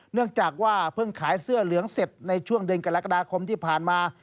เนื่องจากว่าเพิ่งขายเสื้อเหลืองเสร็จในช่วงเดือนกรกฎาคมที่ผ่านมา